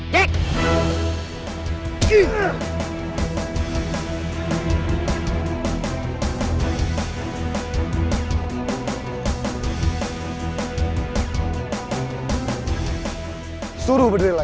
makin soal semangat kok